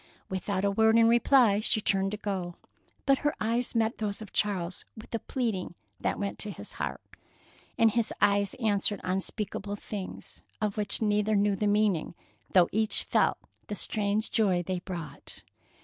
Without a word in reply, she turned to go, but her eyes met those of Charles with a pleading that went to his heart, and his eyes answered unspeakable things, of which neither knew the meaning, though each felt the strange joy they brought.